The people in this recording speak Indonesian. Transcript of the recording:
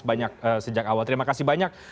banyak sejak awal terima kasih banyak